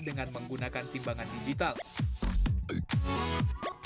kepala pengguna akan dipilah dengan menggunakan timbangan digital